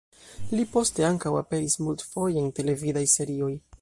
Li poste ankaŭ aperis multfoje en televidaj serioj.